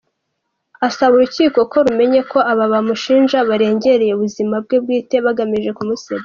Asaba Urukiko ko rumenya ko aba bamushinja barengereye ubuzima bwe bwite bagamije kumusebya.